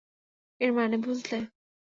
এর মানে বুঝলে?